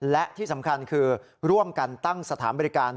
และที่สำคัญคือร่วมกันตั้งสถานบริการ